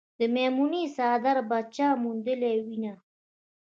د میمونې څادر به چا موندلې وينه